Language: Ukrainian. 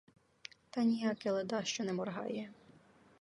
Та ніяке ледащо не моргає!